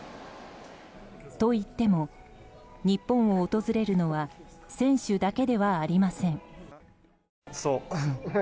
といっても、日本を訪れるのは選手だけではありません。